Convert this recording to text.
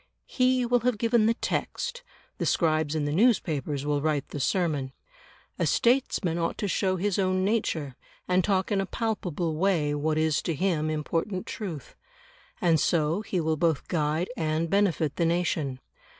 He will have given the text, the scribes in the newspapers will write the sermon. A statesman ought to show his own nature, and talk in a palpable way what is to him important truth. And so he will both guide and benefit the nation.